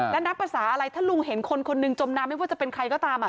และนับภาษาอะไรถ้าลุงเห็นคนคนหนึ่งจมน้ำไม่ว่าจะเป็นใครก็ตามอ่ะ